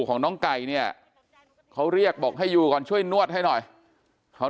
ของน้องไก่เนี่ยเขาเรียกบอกให้อยู่ก่อนช่วยนวดให้หน่อยเขา